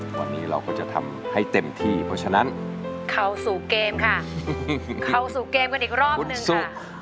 วันนี้เราก็จะทำให้เต็มที่เพราะฉะนั้นเข้าสู่เกมค่ะเข้าสู่เกมกันอีกรอบหนึ่งค่ะ